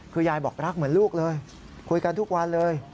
คือยายบอกรักเหมือนลูกเลยคุยกันทุกวันเลย